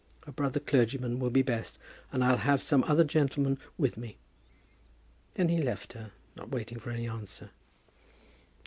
A brother clergyman will be best, and I'll have some other gentleman with me." Then he left her, not waiting for any answer.